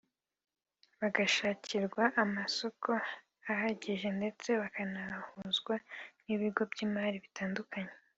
bagashakirwa amasoko ahagije ndetse bakanahuzwa n’ibigo by’imari bitandukanye